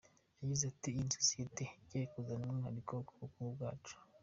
Yagize ati “Iyi ni sosiyete igiye kuzana umwihariko ku bukungu bwacu.